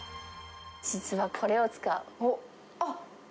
実はこれを使う。